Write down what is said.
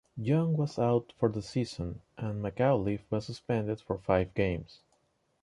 John was out for the season, and McAuliffe was suspended for five games.